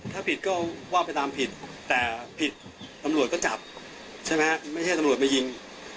ถ้าผิดก็ว่าไปตามผิดแต่ผิดตำรวจก็จับใช่ไหมไม่ใช่ตำรวจมายิง